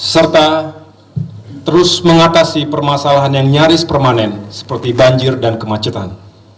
serta terus mengatasi permasalahan yang nyaris permanen seperti banjir dan kemacetan